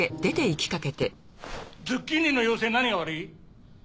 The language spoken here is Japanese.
ズッキーニの妖精何が悪い？